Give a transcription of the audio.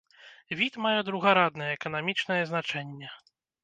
Від мае другараднае эканамічнае значэнне.